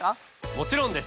もちろんです！